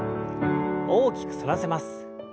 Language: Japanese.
大きく反らせます。